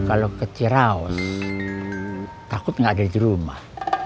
kalau ke ciraus takut nggak ada di rumah